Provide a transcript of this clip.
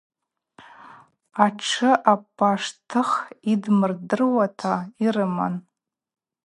Атшы апаштыхӏ йдмырдыруата йрыман.